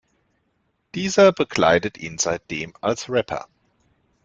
Dieser begleitet ihn seitdem als Rapper.